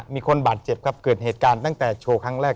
มีคนบาดเจ็บครับเกิดเหตุการณ์ตั้งแต่โชว์ครั้งแรก